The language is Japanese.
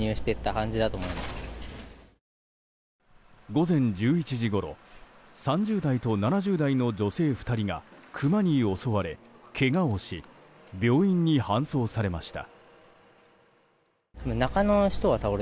午前１１時ごろ３０代と７０代の女性２人がクマに襲われけがをし病院に搬送されました。